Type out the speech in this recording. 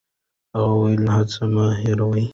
هغه وايي، هڅه مه هېروئ.